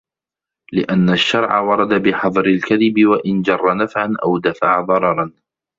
لِأَنَّ الشَّرْعَ وَرَدَ بِحَظْرِ الْكَذِبِ وَإِنْ جَرَّ نَفْعًا أَوْ دَفَعَ ضَرَرًا